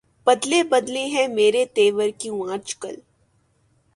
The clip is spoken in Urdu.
بدلے بدلے ہیں میرے تیور کیوں آج کل